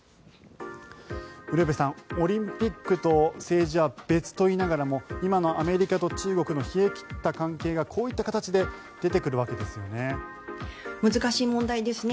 ウルヴェさん、オリンピックと政治は別と言いながらも今のアメリカと中国の冷え切った関係がこういった形で出てくるわけですよね。